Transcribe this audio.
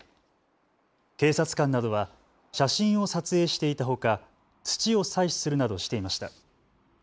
警察官などは写真を撮影していたほか、土を採取するなどしていました。